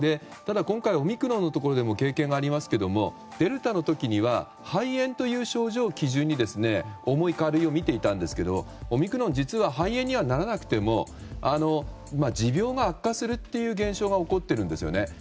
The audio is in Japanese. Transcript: ただ、今回オミクロンのところでも経験がありますがデルタの時には肺炎という症状を基準に重い、軽いを見ていたんですけどオミクロンは、実は肺炎にはならなくても持病が悪化するという現象が起こっているんですよね。